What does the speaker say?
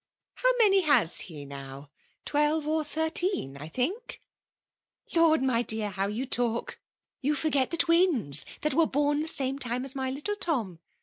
How many has he now? Twelve or thirteen, I think !^'" Lord, my dear, how you talk ! You forget 1^ FEMALE I>OI||NAn«>N. : Una twins^ that were born the same time as my little Tom